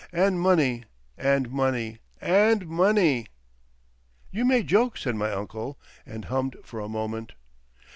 And money and money and money." "You may joke," said my uncle, and hummed for a moment.